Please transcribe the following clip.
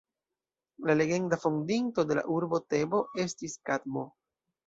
La legenda fondinto de la urbo Tebo estis Kadmo.